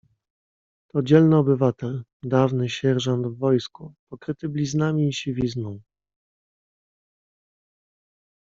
"To dzielny obywatel, dawny sierżant w wojsku, pokryty bliznami i siwizną."